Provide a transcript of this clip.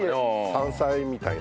山菜みたいな。